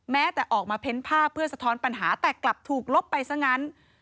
แม้แต่ออกมาเพ้นภาพเพื่อสะท้อนปัญหาแต่กลับถูกลบไปซะงั้น